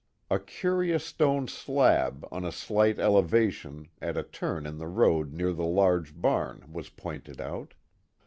A curi ous stone slab, on a slight elevation, at a turn in the road near the large barn, was pointed out.